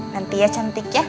nanti ya cantik ya